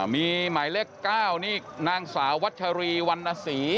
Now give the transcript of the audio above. มีหมายเลข๙นี่นางสาววัชรีวรรณศรี